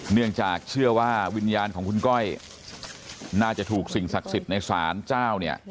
เนื่องจากเชื่อว่าวิญญาณของคุณก้อยน่าจะถูกสิ่งศักดิ์สิทธิ์ในศาลเจ้าเนี่ย